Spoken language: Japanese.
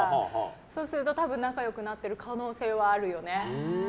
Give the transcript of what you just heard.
そうすると、多分仲良くなってる可能性はあるよね。